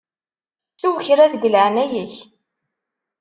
Sew kra deg leɛnaya-k!